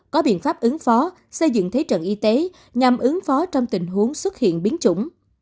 có biện pháp ứng phó xây dựng thế trận y tế nhằm ứng phó trong tình huống xuất hiện biến chủng